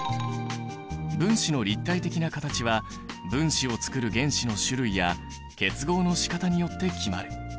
分子の立体的な形は分子をつくる原子の種類や結合のしかたによって決まる。